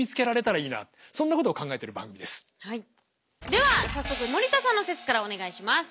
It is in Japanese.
では早速森田さんの説からお願いします。